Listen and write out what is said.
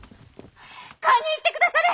堪忍してくだされ！